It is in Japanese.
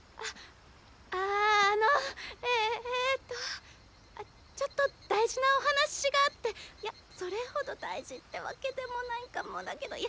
あああのええとちょっと大事なお話があっていやそれほど大事ってわけでもないかもだけどいや